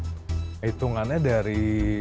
hitungannya dari dua ribu lima belas dua ribu enam belas